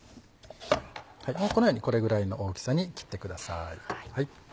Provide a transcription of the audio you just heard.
このようにこれぐらいの大きさに切ってください。